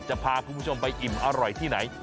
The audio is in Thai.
จะพาคุณผู้ชมไปอิ่มอร่อยที่ไหน